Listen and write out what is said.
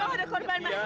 ya udah kita bisa